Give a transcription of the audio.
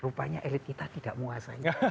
rupanya elit kita tidak menguasai